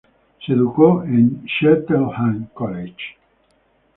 Se educó en el Cheltenham College.